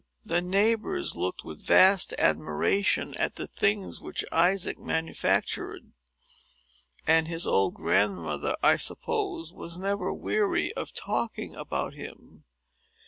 The neighbors looked with vast admiration at the things which Isaac manufactured. And his old grandmother, I suppose, was never weary of talking about him.